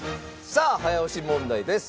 さあ早押し問題です。